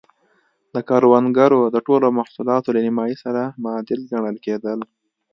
د کروندګرو د ټولو محصولاتو له نییمایي سره معادل ګڼل کېدل.